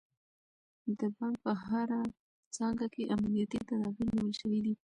د بانک په هره څانګه کې امنیتي تدابیر نیول شوي دي.